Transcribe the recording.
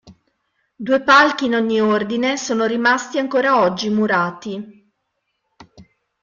Due palchi in ogni ordine sono rimasti ancora oggi murati.